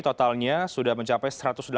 totalnya sudah mencapai satu ratus delapan puluh